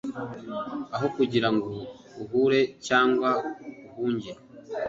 Aho kugira ngo uhure cyangwa uhunge.